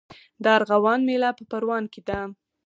د ارغوان میله په پروان کې ده.